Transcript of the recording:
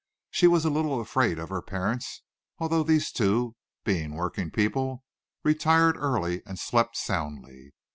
She was a little afraid of her parents, although those two, being working people, retired early and slept soundly.